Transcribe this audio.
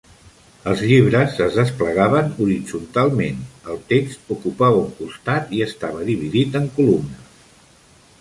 Els llibres es desplegaven horitzontalment; el text ocupava un costat i estava dividit en columnes.